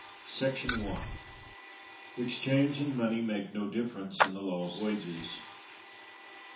§ 1. Exchange and money make no Difference in the law of Wages.